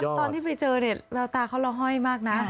ตอนที่ไปเจอเนี่ยแววตาเขาละห้อยมากนะ